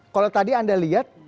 kalau tadi anda lihat